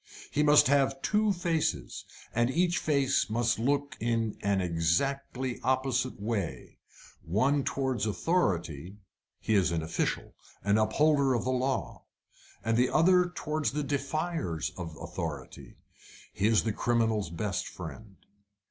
He must have two faces, and each face must look in an exactly opposite way. The one towards authority he is an official, an upholder of the law; the other towards the defiers of authority he is the criminal's best friend.